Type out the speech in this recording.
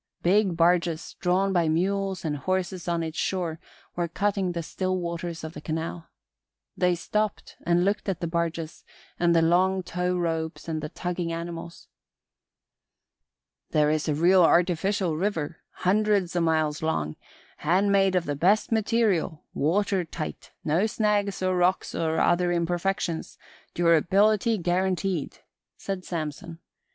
Big barges, drawn by mules and horses on its shore, were cutting the still waters of the canal. They stopped and looked at the barges and the long tow ropes and the tugging animals. "There is a real artificial river, hundreds o' miles long, handmade of the best material, water tight, no snags or rocks or other imperfections, durability guaranteed," said Samson.